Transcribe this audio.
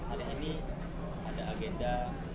ada ini ada agenda